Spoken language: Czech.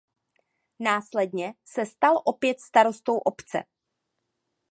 Následně se stal opět starostou obce.